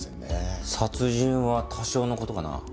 殺人は多少の事かな？